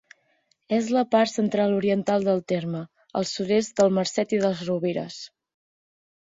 És a la part central-oriental del terme, al sud-est del Marcet i de les Rovires.